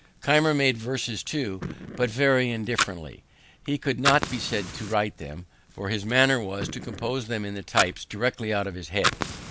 Keimer made verses too, but very indifferently. He could not be said to write them, for his manner was to compose them in the types directly out of his head.